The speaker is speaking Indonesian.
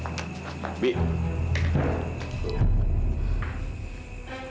tapi gimana caranya pergi dari sini